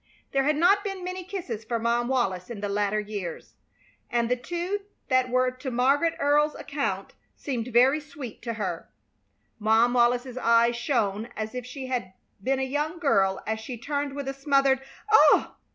There had not been many kisses for Mom Wallis in the later years, and the two that were to Margaret Earle's account seemed very sweet to her. Mom Wallis's eyes shone as if she had been a young girl as she turned with a smothered "Oh!"